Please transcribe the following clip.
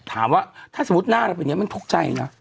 ถามว่าถ้าสมมุติหน้าเราเป็นอย่างนี้มันทุกข์ใจนะ